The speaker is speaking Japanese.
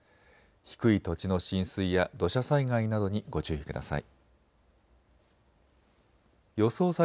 低い土地の浸水や土砂災害などにご注意ください。